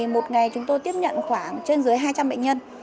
một ngày chúng tôi tiếp nhận khoảng trên dưới hai trăm linh bệnh nhân